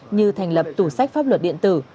như thành lập tủ sách pháp luật điện tử